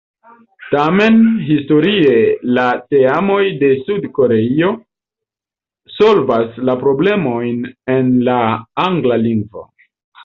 Tamen historie la teamoj de Sud-Koreio solvas la problemojn en la angla lingvo.